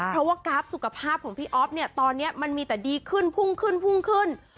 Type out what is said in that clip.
เพราะว่ากราฟสุขภาพของพี่อ๊อฟเนี่ยตอนนี้มันมีแต่ดีขึ้นพุ่งขึ้นพุ่งขึ้น